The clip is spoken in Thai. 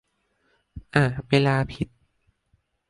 อ่ะ เวลาผิด